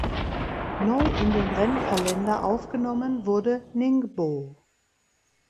Neu in den Rennkalender aufgenommen wurde Ningbo.